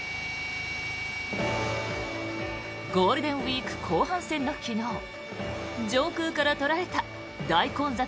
ゴールデンウィーク後半戦の昨日上空から捉えた大混雑